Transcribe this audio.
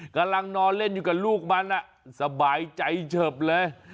กำลังนอนเล่นอยู่กับลูกมันสบายใจเฉิบเลย